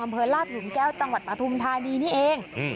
อำเภอลาดหลุมแก้วจังหวัดปฐุมธานีนี่เอง